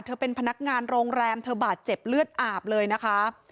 เป็นพนักงานโรงแรมเธอบาดเจ็บเลือดอาบเลยนะคะ